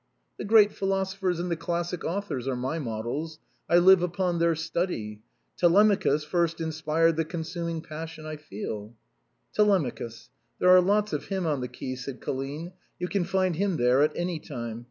" The great philosophers and the classic authors are my models. I live upon their study. ' Telemachus ' first in spired the consuming passion I feel," "' Telemachus '— there are lots of him on the quay," said Colline; "you can find him there at any time.